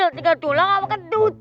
kamu kamu yang ketut